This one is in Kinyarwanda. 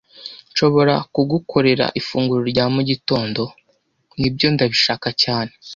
"Nshobora kugukorera ifunguro rya mu gitondo?" "Nibyo, ndabishaka cyane."